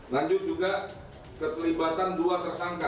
lanjut juga keterlibatan dua tersangka